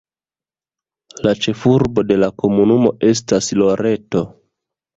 La ĉefurbo de la komunumo estas Loreto.